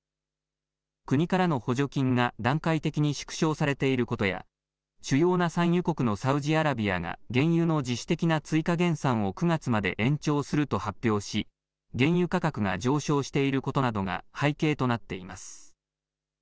国からの補助金が段階的に縮小されていることや主要な産油国のサウジアラビアが原油の自主的な追加減産を９月まで延長すると発表し原油価格が上昇していることなどが背景となっています。